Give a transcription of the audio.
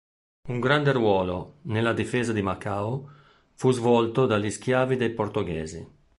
Un grande ruolo, nella difesa di Macao, fu svolto dagli schiavi dei portoghesi.